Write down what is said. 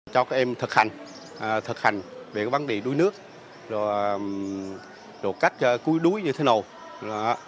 cho các em thực hành thực hành về vấn đề đuối nước rồi cách cuối đuối như thế nào